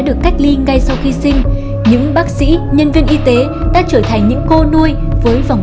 đã tạo nên một việt giáo vẹp van